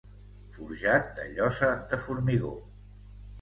Forjat de llosa de formigó.